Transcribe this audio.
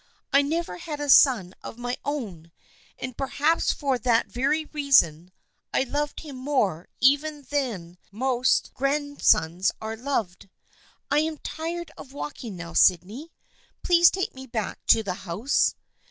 I never had a son of my own, and perhaps for that very reason I loved him more even than most grandsons are loved. I am tired of walking now, Sydney. Please take me back to the house."